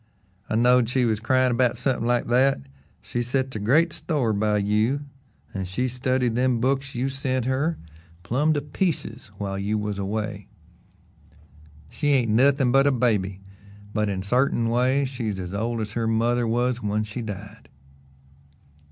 "I knowed she was cryin' 'bout something like that. She sets a great store by you, an' she's studied them books you sent her plum' to pieces while you was away. She ain't nothin' but a baby, but in sartain ways she's as old as her mother was when she died."